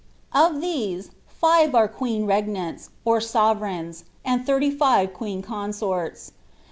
Of tliese. file are queen regnsnta, or sovereigns, and Ihirly five queen con«orts.